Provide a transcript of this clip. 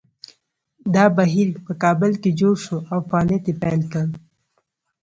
دا بهیر په کابل کې جوړ شو او فعالیت یې پیل کړ